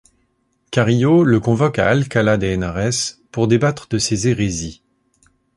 Carillo le convoque à Alcalá de Henares pour débattre de ses hérésies.